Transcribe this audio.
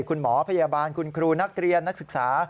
คุณหมอพยาบาลคุณครูนักเรียนนักศึกษา